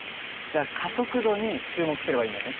じゃあ加速度に注目すればいいんだね。